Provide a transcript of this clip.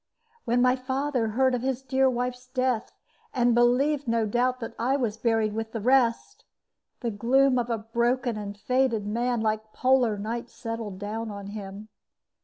When my father heard of his dear wife's death, and believed, no doubt, that I was buried with the rest, the gloom of a broken and fated man, like polar night, settled down on him.